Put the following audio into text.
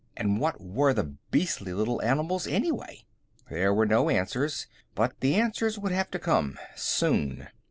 And what were the beastly little animals, anyway? There were no answers. But the answers would have to come, soon.